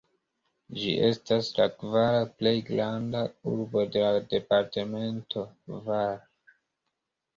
Ĝi estas la kvara plej granda urbo de la departemento Var.